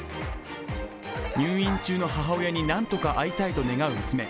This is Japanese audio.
入院中の母親に何とか会いたいと願う娘